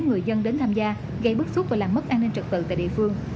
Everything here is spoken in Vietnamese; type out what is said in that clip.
người dân đến tham gia gây bức xúc và làm mất an ninh trật tự tại địa phương